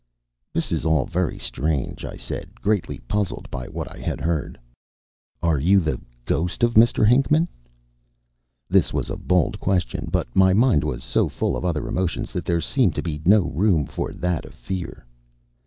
"This is all very strange," I said, greatly puzzled by what I had heard. "Are you the ghost of Mr. Hinckman?" This was a bold question, but my mind was so full of other emotions that there seemed to be no room for that of fear.